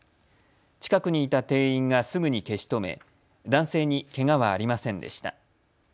近くにいた店員がすぐに消し止め男性に、けがはありませんでした。